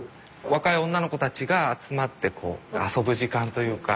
若い女の子たちが集まってこう遊ぶ時間というか。